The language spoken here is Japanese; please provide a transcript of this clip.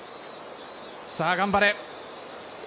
さぁ、頑張れ。